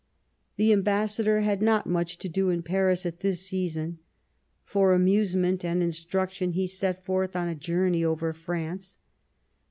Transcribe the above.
The Ambassador had not much to do in Paris at this season ; for amusement and instruction he set forth on a journey over France.